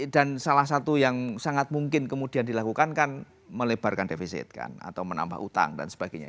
dan salah satu yang sangat mungkin kemudian dilakukan kan melebarkan defisit kan atau menambah utang dan sebagainya